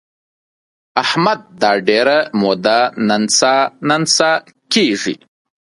احمد دا ډېره موده ننڅه ننڅه کېږي.